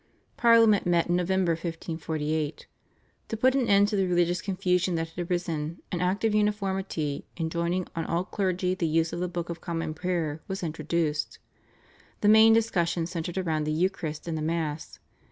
Parliament met in November 1548. To put an end to the religious confusion that had arisen an Act of Uniformity enjoining on all clergy the use of the Book of Common Prayer was introduced. The main discussion centred around the Eucharist and the Mass.